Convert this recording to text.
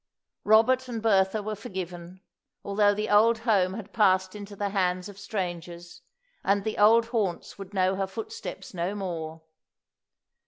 Robert and Bertha were forgiven, although the old home had passed into the hands of strangers, and the old haunts would know her footsteps no more.